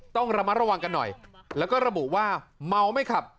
ต้องระมัดระวังกันหน่อยแล้วก็ระบุว่าเมาไม่ขับ